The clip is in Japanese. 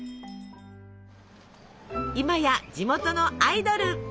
今や地元のアイドル！